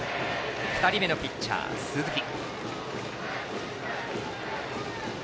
２人目のピッチャー、鈴木。